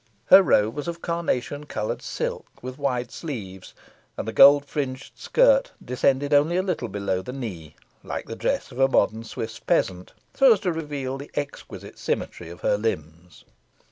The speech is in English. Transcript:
Her robe was of carnation coloured silk, with wide sleeves, and the gold fringed skirt descended only a little below the knee, like the dress of a modern Swiss peasant, so as to reveal the exquisite symmetry of her limbs.